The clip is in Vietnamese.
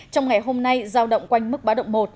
trong ngày hôm nay giao động quanh mức bá động một